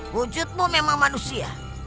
wujudmu memang manusia